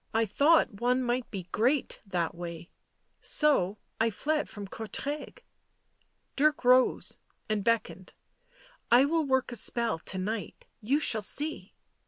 " I thought one might be great — that way, so, I fled from Courtrai." Dirk rose and beckoned. " I will work a spell to night. You shall see."